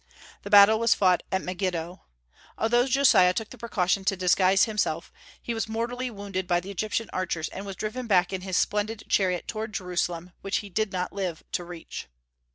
The battle was fought at Megiddo. Although Josiah took the precaution to disguise himself, he was mortally wounded by the Egyptian archers, and was driven back in his splendid chariot toward Jerusalem, which he did not live to reach.